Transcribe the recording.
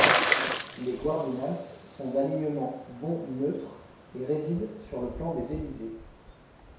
Les Guardinals sont d'alignement bon neutre et résident sur le plan des Élysées.